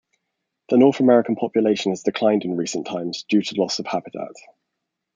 The North American population has declined in recent times due to loss of habitat.